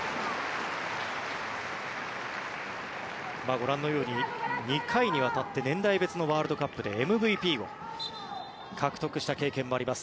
ご覧のように２回にわたって年代別のワールドカップでＭＶＰを獲得した経験もあります